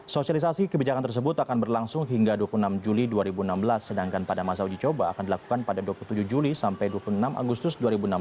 sosialisasi kebijakan tersebut akan berlangsung hingga dua puluh enam juli dua ribu enam belas sedangkan pada masa uji coba akan dilakukan pada dua puluh tujuh juli sampai dua puluh enam agustus dua ribu enam belas